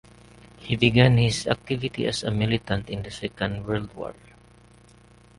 He began his activity as a militant in the Second World War.